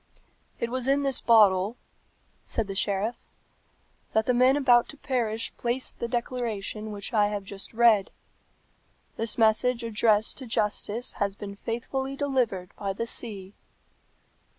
"It was in this bottle," said the sheriff, "that the men about to perish placed the declaration which I have just read. This message addressed to justice has been faithfully delivered by the sea."